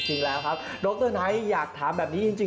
จริงแล้วครับดรไนท์อยากถามแบบนี้จริง